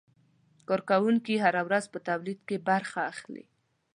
کارکوونکي هره ورځ په تولید کې برخه اخلي.